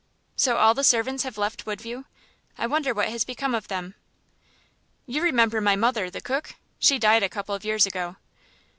"So all the servants have left Woodview? I wonder what has become of them." "You remember my mother, the cook? She died a couple of years ago."